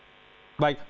baik berapa lama waktunya